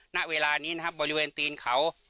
ณเวลานี้นะครับบริเวณตีนเขา